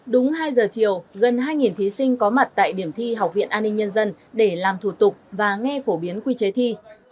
đúng hai giờ chiều gần hai thí sinh có mặt tại điểm thi học viện an ninh nhân dân để làm thủ tục và nghe phổ biến quy chế thi